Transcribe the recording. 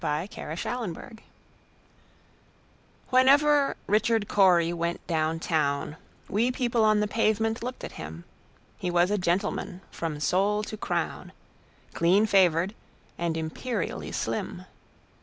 Richard Cory WHENEVER Richard Cory went down town, We people on the pavement looked at him:He was a gentleman from sole to crown, Clean favored, and imperially slim.